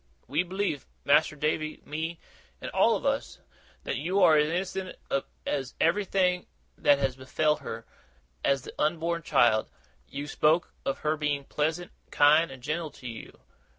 We believe Mas'r Davy, me, and all of us that you are as innocent of everything that has befell her, as the unborn child. You've spoke of her being pleasant, kind, and gentle to you.